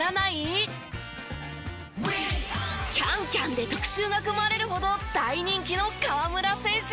『ＣａｎＣａｍ』で特集が組まれるほど大人気の河村選手。